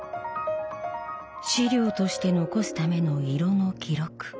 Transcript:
資料として残すための色の記録。